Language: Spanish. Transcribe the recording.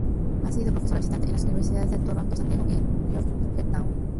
Ha sido profesora visitante en las universidades de Toronto, San Diego y Georgetown.